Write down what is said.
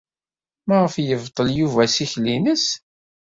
Maɣef ay yebṭel Yuba assikel-nnes?